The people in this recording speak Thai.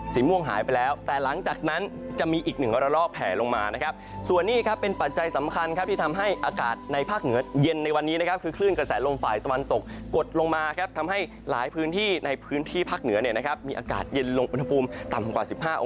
ต่ำกว่า๑๕องศาเซลเซียทณ์หลายที่เดียว